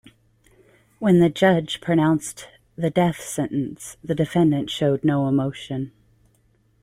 When the judge pronounced the death sentence, the defendant showed no emotion.